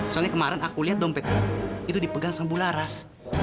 soalnya kemarin aku liat dompet ibu itu dipegang sama bularas